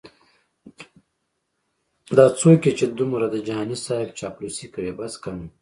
دا څوک یې چې دمره د جهانې صیب چاپلوسې کوي بس که نو